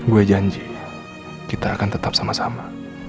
gue janji kita akan tetap sama sama